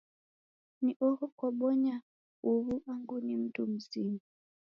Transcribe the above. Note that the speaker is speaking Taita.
Ni oho kwabonya uwu angu ni mndu mzima?